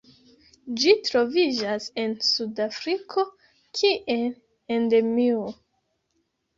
Ĝi troviĝas en Sudafriko kiel endemio.